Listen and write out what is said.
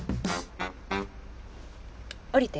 降りて。